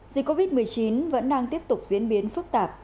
dịch covid một mươi chín vẫn đang tiếp tục diễn biến phức tạp